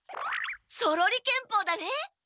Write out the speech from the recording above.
ソロリ剣法だね！